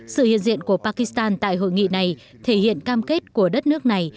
sự hiện diện của pakistan tại hội nghị này thể hiện cam kết của đất nước này